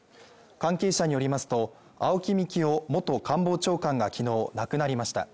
関係者によりますと、青木幹雄元官房長官が昨日亡くなりました。